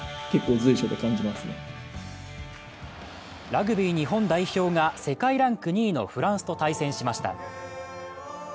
ラグビー日本代表が世界ランク２位のフランスと対戦しました。